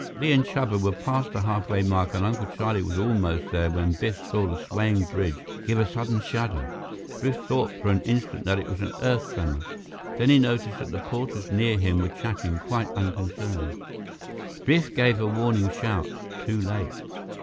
Li and Chuba were past the halfway mark and Uncle Charlie was almost there when Biff saw the swaying bridge give a sudden shudder. Biff thought for an instant that it was an earth tremor. Then he noticed that the porters near him were chatting, quite unconcerned. Biff gave a warning shout, too late.